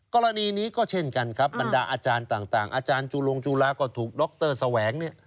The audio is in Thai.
กรณีนี้ก็เช่นกันครับบรรดาอาจารย์ต่างอาจารย์จูลงจุฬาก็ถูกดรแสวงเนี่ย